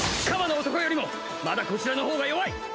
鎌の男よりもまだこちらの方が弱い！